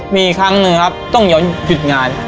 มีครั้งหนึ่งครับต้องย้อนหยุดงาน